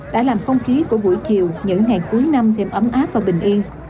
đã làm không khí của buổi chiều những ngày cuối năm thêm ấm áp và bình yên